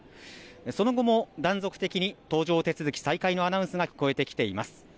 その後も断続的に搭乗手続き再開のアナウンスが聞こえてきています。